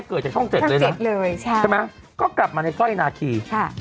เกิดจากช่องเจ็ดเลยนะช่องเจ็ดเลยใช่ไหมก็กลับมาในสร้อยนาทีค่ะ